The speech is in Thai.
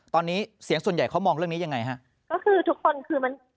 ตอนนี้เสียงส่วนใหญ่เขามองเรื่องนี้ยังไงคะ